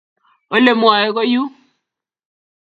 Olemwae ko yuu